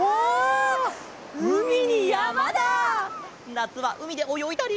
なつはうみでおよいだり。